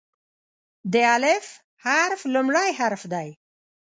د "الف" حرف لومړی حرف دی.